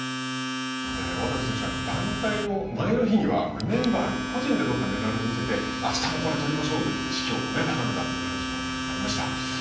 渡部選手は団体の前の日にはメンバーに個人で取ったメダルを見せてあしたもこれを取りましょうと言って士気を高めたという話もありました。